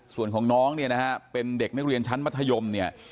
ส่วนของน้องเนี่ยนะฮะเป็นเด็กนักเรียนชั้นมัธยมเนี่ย